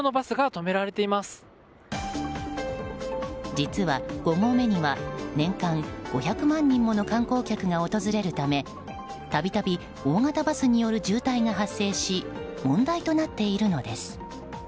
実は５合目には年間５００万人もの観光客が訪れるため度々、大型バスによる渋滞が発生し問題となっているのです。